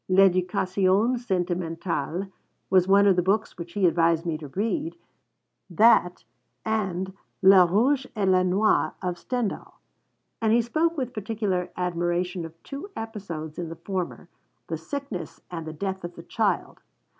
L'Education Sentimentale was one of the books which he advised me to read; that, and Le Rouge et le Noir of Stendhal; and he spoke with particular admiration of two episodes in the former, the sickness and the death of the child.